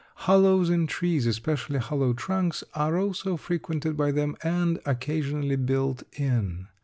Hollows in trees, especially hollow trunks, are also frequented by them and occasionally built in.